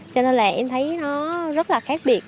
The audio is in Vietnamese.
cho nên là em thấy nó rất là khác biệt